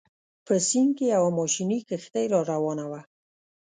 په سیند کې یوه ماشیني کښتۍ راروانه وه.